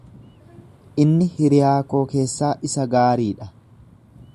Inni hiriyaa koo keessaa isa gaarii dha.